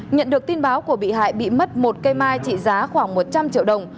nhận được tin báo của bị hại bị mất một cây mai trị giá khoảng một trăm linh triệu đồng